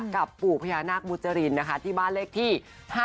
กับปู่พญานาคบุจรินที่บ้านเลขที่๕๖ค่ะ